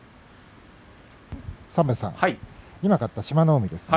今勝った志摩ノ海です。